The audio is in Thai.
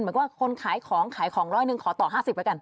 เหมือนกับว่าคนขายของขายของร้อยหนึ่งขอต่อ๕๐แล้วกัน